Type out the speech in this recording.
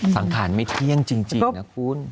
สังผัสไม่เครี้ยงจริงครับ